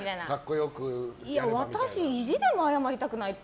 私、意地でも謝りたくないって。